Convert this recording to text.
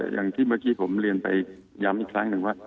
อย่างที่เมื่อกี้ผมเรียนไปย้ำอีกครั้งหนึ่งว่า